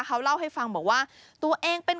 เขาเล่าให้ฟังบอกว่าตัวเองเป็น